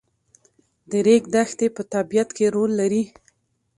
د ریګ دښتې په طبیعت کې رول لري.